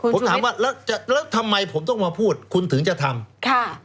ผมถามว่าแล้วทำไมผมต้องมาพูดคุณถึงจะทำค่ะ